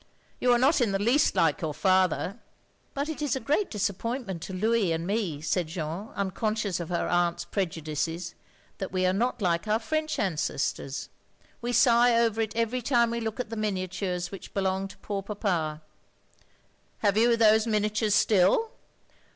"You are not in the least like your father.'* " But it is a great disappointment to Louis and me," said Jeanne, unconscious of her atmt's prejudices, "that we are not like our French ancestors. We sigh over it every time we look at the n^niattires which belonged to poor papa." "Have you those miniattires still?"